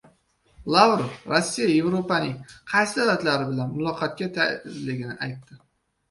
Lavrov Rossiya yevropaning qaysi davlatlari bilan muloqotga tayyorligini aytdi